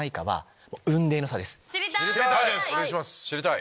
知りたい！